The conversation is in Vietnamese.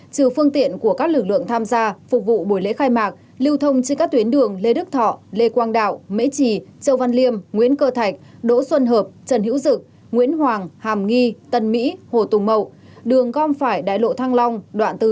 trừ phương tiện của các lực lượng tham gia phục vụ buổi lễ khai mạc lưu thông trên các tuyến đường lê đức thọ lê quang đạo mễ trì châu văn liêm nguyễn cơ thạch đỗ xuân hợp trần hữu dực nguyễn hoàng hàm nghi tân mỹ hồ tùng mậu